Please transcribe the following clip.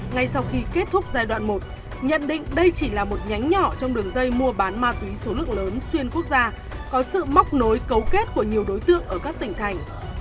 ngay sau khi kết thúc giai đoạn một nhận định đây chỉ là một nhánh nhỏ trong đường dây mua bán ma túy số lượng lớn xuyên quốc gia có sự móc nối cấu kết của nhiều đối tượng ở các tỉnh thành